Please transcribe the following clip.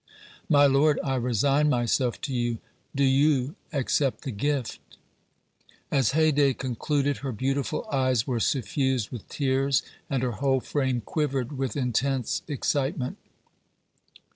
My lord, I resign myself to you. Do you accept the gift?" As Haydée concluded, her beautiful eyes were suffused with tears and her whole frame quivered with intense excitement.